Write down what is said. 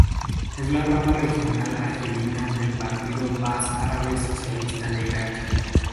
Es la rama regional argelina del Partido Baaz Árabe Socialista de Irak.